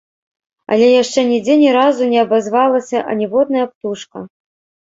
Але яшчэ нідзе ні разу не абазвалася аніводная птушка.